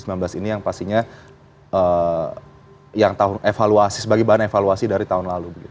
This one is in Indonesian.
ini yang pastinya yang tahun evaluasi sebagai bahan evaluasi dari tahun lalu